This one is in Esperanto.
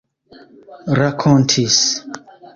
rakontis